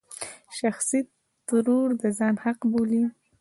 شخصيتي ترور د ځان حق بولي.